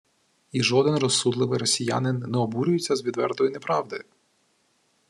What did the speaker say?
І жоден розсудливий росіянин не обурюється з відвертої неправди